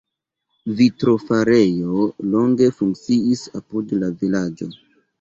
Vitrofarejo longe funkciis apud la vilaĝo.